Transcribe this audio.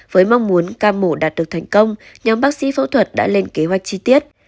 với mong muốn ca mổ đạt được thành công nhóm bác sĩ phẫu thuật đã lên kế hoạch chi tiết